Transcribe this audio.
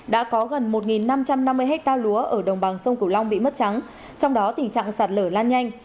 đã có gần một năm trăm năm mươi hectare lúa ở đồng bằng sông cửu long bị mất trắng trong đó tình trạng sạt lở lan nhanh